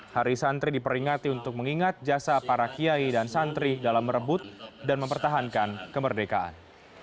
hari santri diperingati untuk mengingat jasa para kiai dan santri dalam merebut dan mempertahankan kemerdekaan